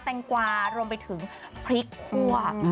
แงงกวารวมไปถึงพริกคั่ว